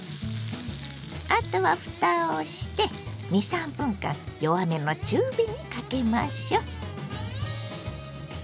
あとはふたをして２３分間弱めの中火にかけましょう。